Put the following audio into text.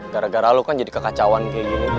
gara gara lu kan jadi kekacauan kayak gini